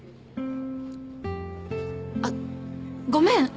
あっごめん。